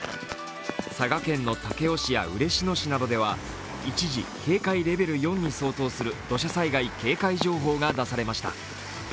佐賀県の武雄市や嬉野市などでは一時、警戒レベル４に相当する土砂災害警戒情報が出されました。